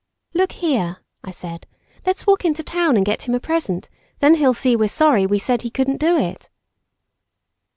"Look here," I said, "let's walk into town and get him a present, then he'll see we're sorry we said he couldn't do it."